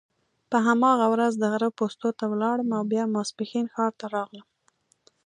په هماغه ورځ د غره پوستو ته ولاړم او بیا ماپښین ښار ته راغلم.